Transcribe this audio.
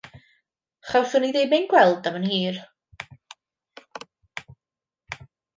Chawsom ni ddim ein gweld am yn hir.